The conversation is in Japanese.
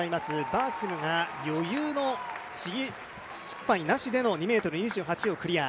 バーシムが余裕の試技失敗なしでの２ｍ２８をクリア。